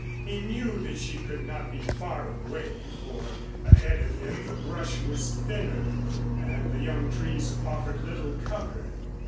He knew that she could not be far away, for ahead of him the brush was thinner, and the young trees offered little cover.